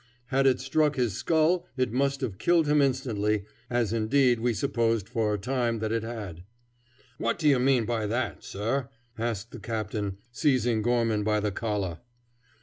Had it struck his skull it must have killed him instantly, as indeed we supposed for a time that it had. "What do you mean by that, sir?" asked the captain, seizing Gorman by the collar.